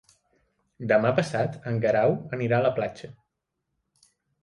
Demà passat en Guerau anirà a la platja.